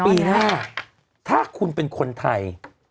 ปี๕ถ้าคุณเป็นคนไทย